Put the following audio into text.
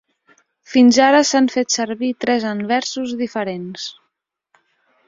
Fins ara, s'han fet servir tres anversos diferents.